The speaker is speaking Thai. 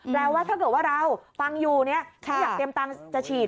แปลว่าถ้าเกิดว่าเราฟังอยู่เนี่ยเขาอยากเตรียมตังค์จะฉีด